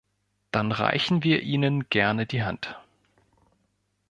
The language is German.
Dann reichen wir Ihnen gerne die Hand.